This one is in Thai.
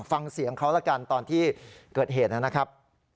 ฟังเสียงเขาละกันตอนที่เกิดเหตุนะครับ